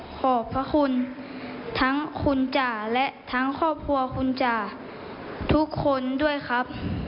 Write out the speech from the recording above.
ขอบพระคุณทั้งคุณจ๋าและทั้งครอบครัวคุณจ๋าทุกคนด้วยครับ